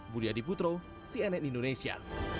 budi adi putro cnn indonesia